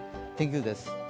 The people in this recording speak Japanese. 天気図です。